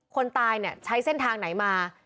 คนตายใช้เส้นทางไหนมา